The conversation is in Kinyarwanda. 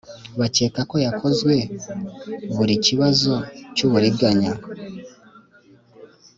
Bakeka ko yakozwe buri kibazo cy uburiganya